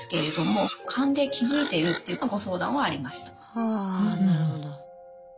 はなるほど。